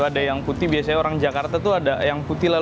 ada yang putih biasanya orang jakarta tuh ada yang putih lah